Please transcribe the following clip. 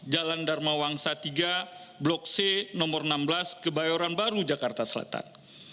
jalan dharma wangsa tiga blok c nomor enam belas kebayoran baru jakarta selatan